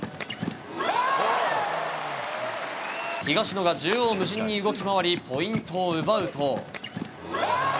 東野が縦横無尽に動き回りポイントを奪うと。